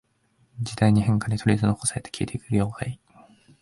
時代の変化に取り残されて消えていく業界